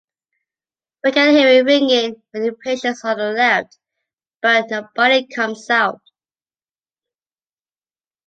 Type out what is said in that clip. We can hear it ringing with impatience on the left, but nobody comes out.